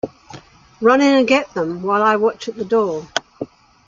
Run in and get them while I watch at the door.